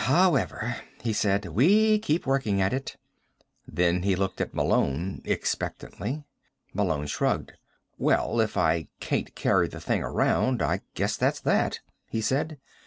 "However," he said, "we keep working at it." Then he looked at Malone expectantly. Malone shrugged. "Well, if I can't carry the thing around, I guess that's that," he said.